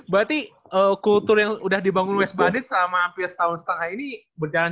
berarti kultur yang udah dibangun west bandit selama hampir setahun setengah ini berjalan